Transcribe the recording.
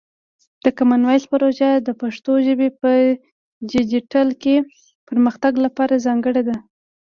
د کامن وایس پروژه د پښتو ژبې په ډیجیټل کې پرمختګ لپاره ځانګړې ده.